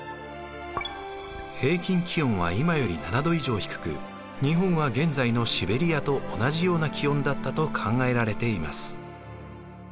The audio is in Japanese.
平均気温は今より７度以上低く日本は現在のシベリアと同じような気温だったと考えられています。